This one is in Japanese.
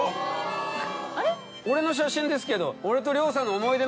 俺の写真ですけど。